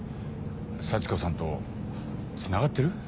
幸子さんとつながってる？